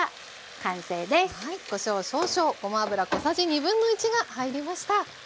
はいこしょう少々ごま油小さじ1/2が入りました。